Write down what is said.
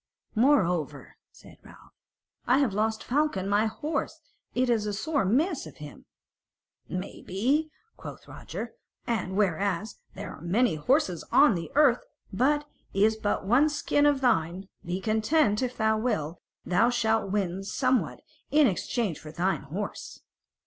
"Moreover," said Ralph, "I have lost Falcon my horse; it is a sore miss of him." "Maybe," quoth Roger, "but at least thou hast saved thy skin; and whereas there are many horses on the earth, there is but one skin of thine: be content; if thou wilt, thou shall win somewhat in exchange for thine horse."